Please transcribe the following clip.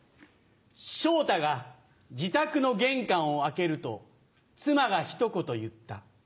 昇太が自宅の玄関を開けると妻がひと言言った。